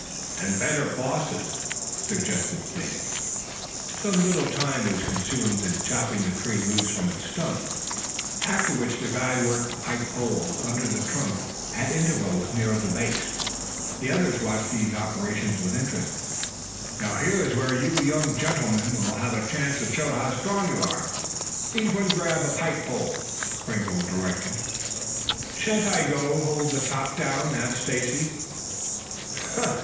"And better bosses," suggested Stacy. Some little time was consumed in chopping the tree loose from its stump, after which the guide worked the pike poles under the trunk at intervals near the base. The others watched these operations with interest. "Now here is where you young gentlemen will have a chance to show how strong you are. Each one grab a pike pole," Kringle directed. "Shan't I go hold the top down?" asked Stacy.